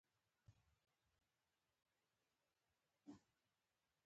غل تېښتوه خو تر کوره نه